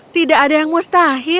tidak ada yang mustahil